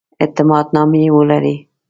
اعتماد نامې ولري.